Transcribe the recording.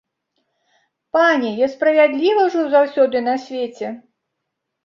Пане, я справядліва жыў заўсёды на свеце.